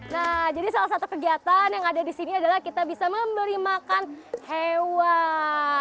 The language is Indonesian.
nah jadi salah satu kegiatan yang ada di sini adalah kita bisa memberi makan hewan